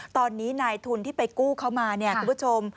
ตอนนี้นายทุนที่ไปกู้เขามาเนี่ยคุณผู้ชม